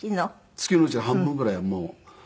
月のうちの半分ぐらいはもう。